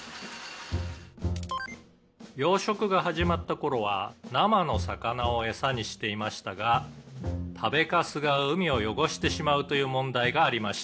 「養殖が始まった頃は生の魚をエサにしていましたが食べかすが海を汚してしまうという問題がありました」